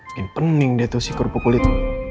makin pening deh tuh si kerupuk kulit